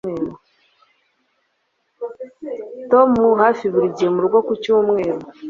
Tom hafi buri gihe murugo ku cyumweru